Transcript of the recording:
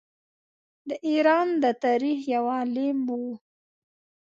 د ایران د تاریخ یو عالم وو.